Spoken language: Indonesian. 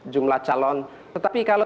jumlah calon tetapi kalau